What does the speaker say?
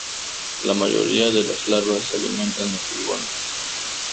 La mayoría de las larvas se alimentan de pulgones.